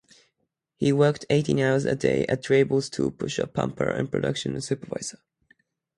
He worked eighteen-hour days as Trebol's tool pusher, pumper, and production supervisor.